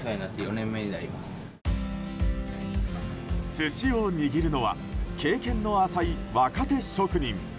寿司を握るのは経験の浅い若手職人。